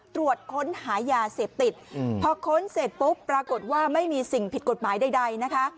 ตรวจค้นหายาเสพติดพอค้นเสร็จปุ๊บปรากฏว่าไม่มีสิ่งผิดกฎหมายใดนะคะ